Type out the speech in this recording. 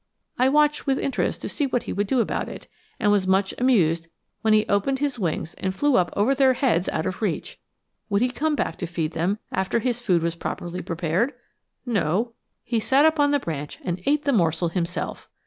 I watched with interest to see what he would do about it, and was much amused when he opened his wings and flew up over their heads out of reach! Would he come back to feed them after his food was properly prepared? No, he sat up on the branch and ate the morsel himself!